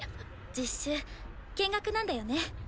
実習見学なんだよね？